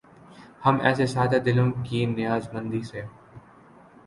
ہم ایسے سادہ دلوں کی نیاز مندی سے